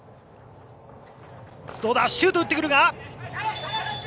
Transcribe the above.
どうだシュートを打ってくるが。